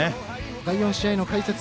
第４試合の解説